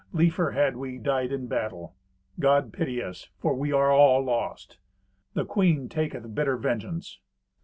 Liefer had we died in battle. God pity us, for we are all lost. The queen taketh bitter vengeance."